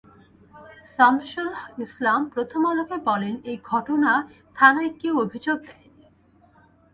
শামসুল ইসলাম প্রথম আলোকে বলেন, এ ঘটনায় থানায় কেউ অভিযোগ দেয়নি।